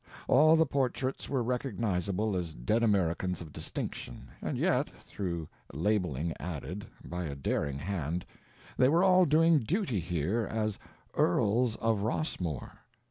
All the portraits were recognizable as dead Americans of distinction, and yet, through labeling added, by a daring hand, they were all doing duty here as "Earls of Rossmore."